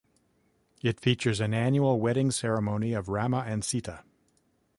It features an annual wedding ceremony of Rama and Sita.